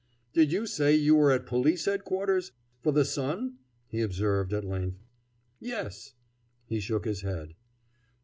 "Did you say you were at Police Headquarters for the Sun?" he observed at length. "Yes!" He shook his head.